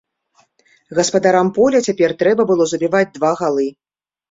Гаспадарам поля цяпер трэба было забіваць два галы.